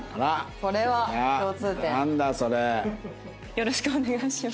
よろしくお願いします。